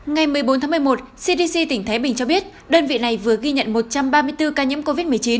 ngày một mươi bốn tháng một mươi một cdc tỉnh thái bình cho biết đơn vị này vừa ghi nhận một trăm ba mươi bốn ca nhiễm covid một mươi chín